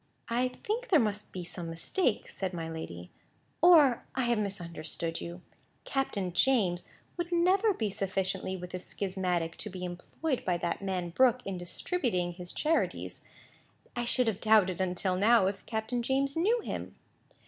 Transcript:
"I think there must be some mistake," said my lady, "or I have misunderstood you. Captain James would never be sufficiently with a schismatic to be employed by that man Brooke in distributing his charities. I should have doubted, until now, if Captain James knew him."